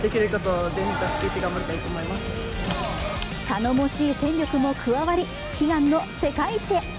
頼もしい戦力も加わり悲願の世界一へ。